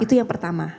itu yang pertama